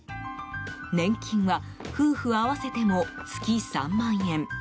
年金は夫婦合わせても、月３万円。